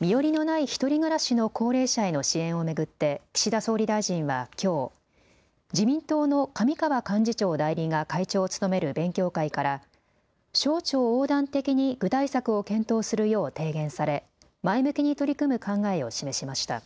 身寄りのない独り暮らしの高齢者への支援を巡って岸田総理大臣はきょう、自民党の上川幹事長代理が会長を務める勉強会から省庁横断的に具体策を検討するよう提言され前向きに取り組む考えを示しました。